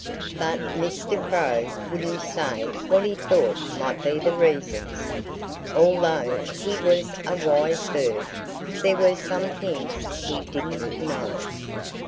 But Mr. Crow wouldn't say what he thought might be the reasons. Although he was a wise bird, there were some things he didn't know.